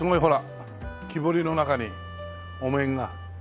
木彫りの中にお面が。